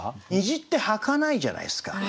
虹ってはかないじゃないですか。